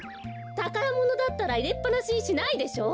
たからものだったらいれっぱなしにしないでしょう。